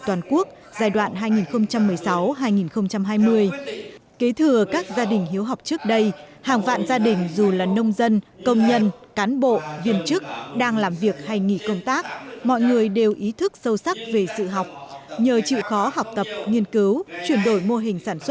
tổng bí thư chủ tịch nước mong và tin tưởng toàn thể cán bộ công chức đồng lòng đổi mới sáng tạo thực hiện tốt nhiệm vụ